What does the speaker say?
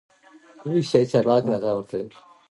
احمدشاه بابا د هیواد بنسټونه پیاوړي کړل.